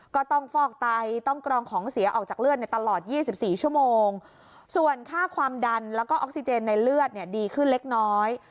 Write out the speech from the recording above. ก็ต้องฟอกไตต้องกรองของเสียออกจากเลือดในตลอด๒๔ชั่วโมงส่วนค่าความดันแล้วก็ออกซิเจนในเลือดเนี่ยดีขึ้นเล็กน้อย